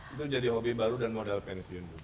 itu jadi hobi baru dan modal pensiun